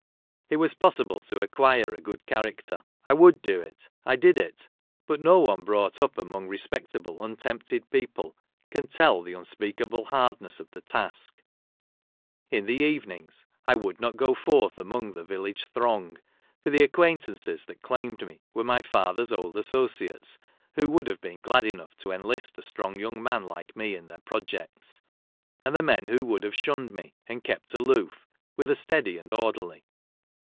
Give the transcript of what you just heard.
It was possible to acquire a good character ; I would do it — I did it : but no one brought up among respect able untempted people can tell the unspeak able hardness of the task. ; In the ; evenings I would not go forth among the village throng , for the acquaintances that claimed me were my father's old associates, who would have been glad enough to enlist a strong .: young man like me hi their projects ; and the men who would have shunned me and kept aloof, were the steady and orderly.